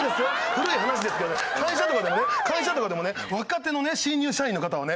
古い話ですけどね会社とかもでね会社とかもでね若手のね新入社員の方はね。